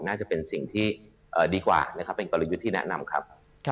น่าจะเป็นสิ่งที่ดีกว่านะครับเป็นกลยุทธ์ที่แนะนำครับ